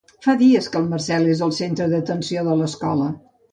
Fa dies que el Marcel és el centre d'atenció de l'escola.